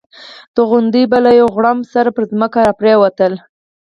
توغندي به له یو غړومب سره پر ځمکه را پرېوتل.